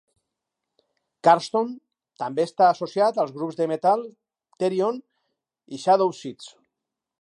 Karlsson també està associat als grups de metal Therion i Shadowseeds.